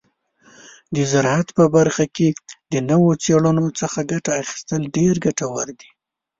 د زراعت په برخه کې د نوو څیړنو څخه ګټه اخیستل ډیر ګټور دي.